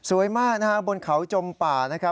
สวยมากนะฮะบนเขาจมป่านะคะ